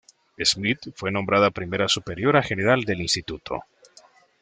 Smith fue nombrada primera superiora general del instituto.